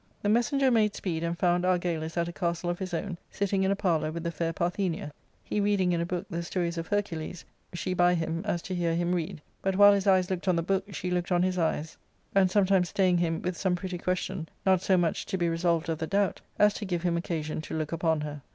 The messenger made speed, and found Argalus at a castle of his own, sitting in a parlour with the fair Parthenia, he reading in a book the stories of Hercules, she by him, as to hear him read ; but, while his eyes looked on the book, she looked on his eyes, and sometimes staying him with some pretty question, not so much to be resolved of the doubt as to give him occasion to look upon her.